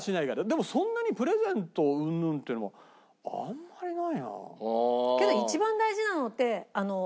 でもそんなにプレゼントうんぬんっていうのはあんまりないな。